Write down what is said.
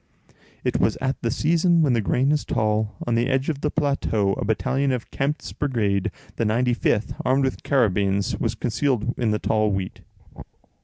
It was at the season when the grain is tall; on the edge of the plateau a battalion of Kempt's brigade, the 95th, armed with carabines, was concealed in the tall wheat.